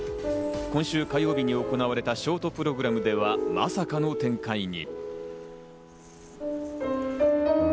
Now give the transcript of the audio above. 今週火曜日に行われたショートプログラムではまさかの展開に。